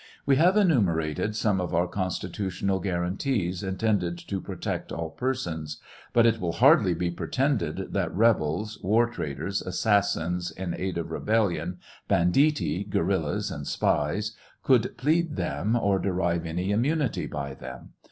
We have enumerated some of our constitutional guarantees intended to protect all persons, but it will hardly be pretended that rebels, war traitors, assassins in aid of rebellion, banditti, guerillas, and spies, could plead them or derive any immunity by them.